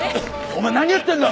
お前何やってんだ！？